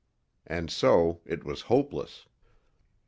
And so it was hopeless.